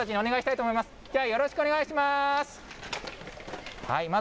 ではよろしくお願いします。